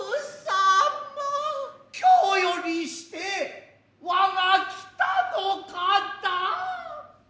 今日よりしてわが北の方。